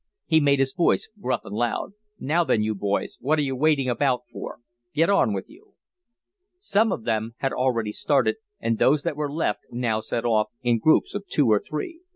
He made his voice gruff and loud. "Now then, you boys, what are you waiting about for? Get on with you." Some of them had already started and those that were left now set off, in groups of two or three.